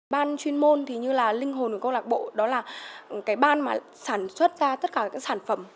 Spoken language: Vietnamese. ban chuyên môn thì như là linh hồn của câu lạc bộ đó là cái ban mà sản xuất ra tất cả các sản phẩm